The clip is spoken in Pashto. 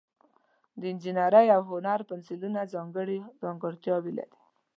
د انجینرۍ او هنر پنسلونه ځانګړي ځانګړتیاوې لري.